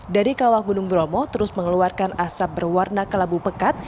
dari kawah gunung bromo terus mengeluarkan asap berwarna kelabu pekat